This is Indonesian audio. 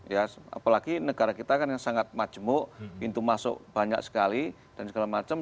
ya apalagi negara kita kan yang sangat majemuk pintu masuk banyak sekali dan segala macam